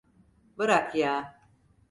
Bırak ya.